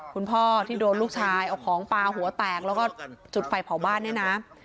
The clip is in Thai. คุณพ่อที่โดนลูกชายเอาของปลาหัวแตกแล้วก็จุดไฟเผาบ้านเนี่ยนะ